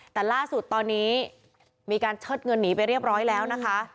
แต่ล่าสุดตอนนี้มีการเชิดเงินหนีไปเรียบร้อยแล้วนะคะ